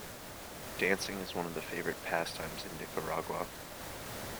Dancing is one of the favorite pastimes in Nicaragua.